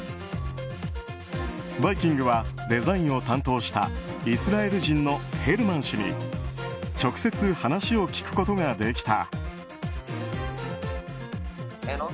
「バイキング」はデザインを担当したイスラエル人のヘルマン氏に直接、話を聞くことができた。